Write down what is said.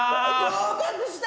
合格した！